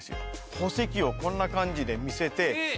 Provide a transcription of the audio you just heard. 宝石をこんな感じで見せてえっ？